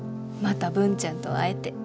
また文ちゃんと会えて。